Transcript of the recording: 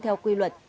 theo quy luật